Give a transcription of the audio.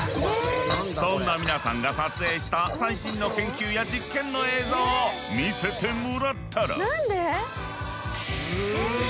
そんな皆さんが撮影した最新の研究や実験の映像を見せてもらったら。